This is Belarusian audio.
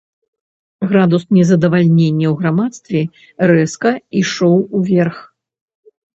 Градус незадавальнення ў грамадстве рэзка ішоў уверх.